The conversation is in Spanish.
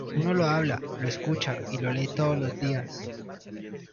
Uno lo habla, lo escucha y lo lee todos los días.